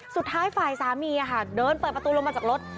สุดท้ายฝ่ายสามีเดินเปิดประตูลงมาจากรถ